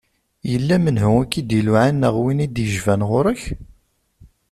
Yella menhu i k-id-iluɛan neɣ win i d-yejban ɣur-k?